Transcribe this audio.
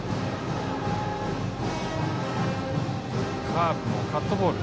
カーブ、カットボール